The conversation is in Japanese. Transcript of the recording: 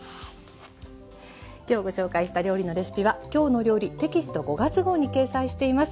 今日ご紹介した料理のレシピは「きょうの料理」テキスト５月号に掲載しています。